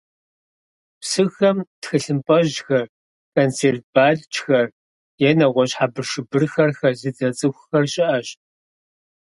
Псыхэм тхылъымпӀэжьхэр, консерв банкӀхэр е нэгъуэщӀ хьэбыршыбырхэр хэзыдзэ цӀыхухэр щыӀэщ.